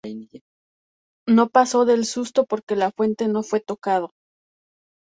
No pasó del susto porque Lafuente no fue tocado.